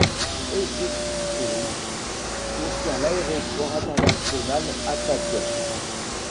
Yeşilköy contient l'aéroport international Atatürk.